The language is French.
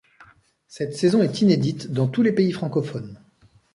Cette saison est inédite dans tous les pays francophones.